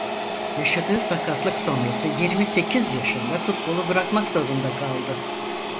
Yaşadığı sakatlık sonrası yirmi sekiz yaşında futbolu bırakmak zorunda kaldı.